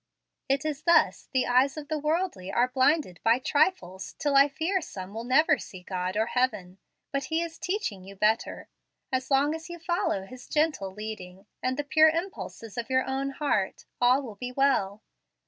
It is thus the eyes of the worldly are blinded by trifles till I fear some will never see God or heaven. But He is teaching you better. As long as you follow His gentle leadings, and the pure impulses of your own heart, all will be well.